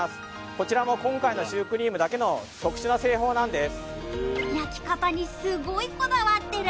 こちらも今回のシュークリームだけの特殊な製法なんです